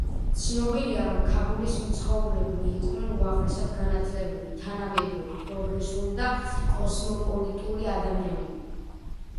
ცნობილია, რომ ქაბულის მცხოვრებნი იყვნენ უაღრესად განათლებული, თანამედროვე, პროგრესული და კოსმოპოლიტური ადამიანები.